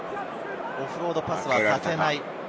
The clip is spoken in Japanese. オフロードパスはさせない。